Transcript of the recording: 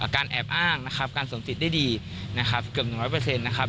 การแอบอ้างการสมสิทธิ์ได้ดีเกือบ๑๐๐